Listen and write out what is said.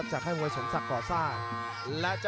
จากให้มวยสมศักดิ์ก่อสร้าง